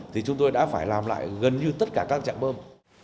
thì chúng tôi đã phải làm lại gần như tất cả các trạm bơm